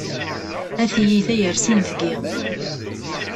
A tiyita yersen deg-i!